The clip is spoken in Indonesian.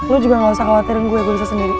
lu juga gak usah khawatirin gue gue bisa sendiri